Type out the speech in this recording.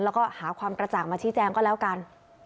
แล้วก็หาความกระจ่างมาชี้แจงก็แล้วกัน